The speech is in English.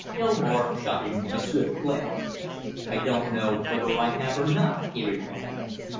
Gilmore shot him a swift glance. "I don't know whether I have or not," he replied.